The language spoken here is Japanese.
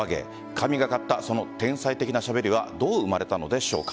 神がかったその天才的なしゃべりはどう生まれたのでしょうか。